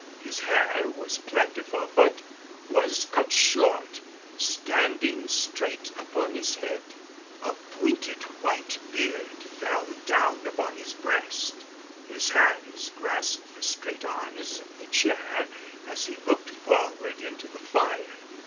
His hair was plentiful but was cut short, standing straight upon his head. A pointed white beard fell down upon his breast. His hands grasped the straight arms of the chair as he looked forward into the fire.